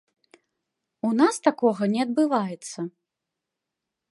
У нас такога не адбываецца.